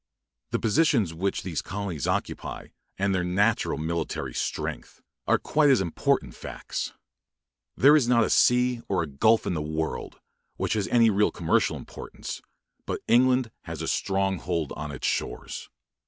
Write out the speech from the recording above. The positions which these colonies occupy, and their natural military strength, are quite as important facts. There is not a sea or a gulf in the world, which has any real commercial importance, but England has a stronghold on its shores.